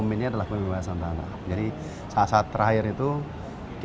jadi pada akhir kemudian akan ada para penduduk yang jeszcze mulai memferti